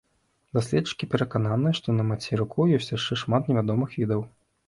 Даследчыкі перакананыя, што на мацерыку ёсць яшчэ шмат невядомых відаў.